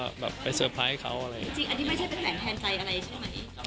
จริงอันนี้ไม่ใช่เป็นแหวนแทนใจอะไรใช่ไหม